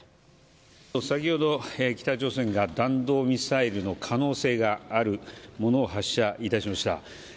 先ほど、北朝鮮が弾道ミサイルの可能性があるものを発射いたしました。